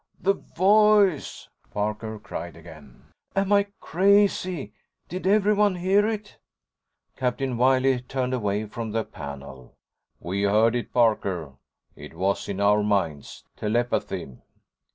"The voice!" Parker cried again. "Am I crazy? Did everyone hear it?" Captain Wiley turned away from the panel. "We heard it, Parker. It was in our minds. Telepathy."